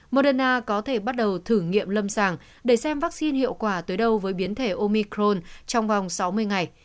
moderna có thể bắt đầu thử nghiệm lâm sàng để xem vaccine hiệu quả tới đâu với biến thể omicron trong vòng sáu mươi ngày